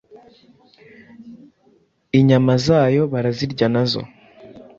Inyama zayo barazirya, nazo